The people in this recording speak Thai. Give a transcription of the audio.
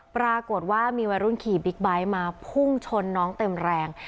ปรากฏว่ามีวัยรุ่นขี่บิ๊กไบท์มาพุ่งชนน้องเต็มแรง